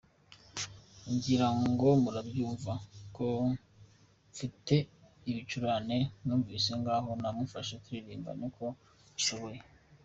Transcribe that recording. Ngira ngo murabyumva ko mfite ibicurane, mwamvise? Ngaho nimumfashe turirimbane uko mubishoboye.